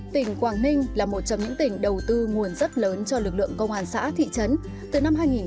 tỉnh quảng ninh là một trong những tỉnh đầu tư nguồn rất lớn cho lực lượng công an xã thị trấn